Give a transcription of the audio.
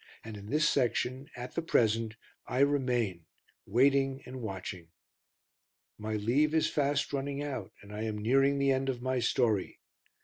And in this section, at the present, I remain waiting and watching. My leave is fast running out, and I am nearing the end of my story.